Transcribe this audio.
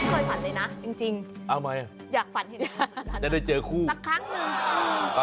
ไม่เคยฝันเลยนะจริงอ้าวทำไมอ่ะอยากฝันเห็นงูจะได้เจอคู่สักครั้งหนึ่ง